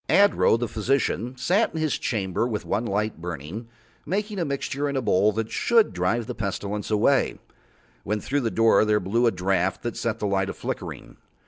Adro, the physician, sat in his chamber with one light burning, making a mixing in a bowl that should drive the Pestilence away, when through his door there blew a draught that set the light a flickering.